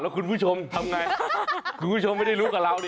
คุณผู้ชมทำไงคุณผู้ชมไม่ได้รู้กับเรา